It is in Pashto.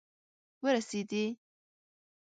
ورسیدي